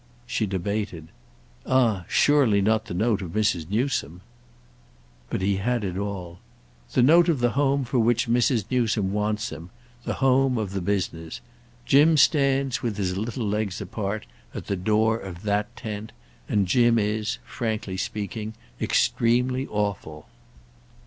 She debated. "Ah surely not the note of Mrs. Newsome." But he had it all. "The note of the home for which Mrs. Newsome wants him—the home of the business. Jim stands, with his little legs apart, at the door of that tent; and Jim is, frankly speaking, extremely awful."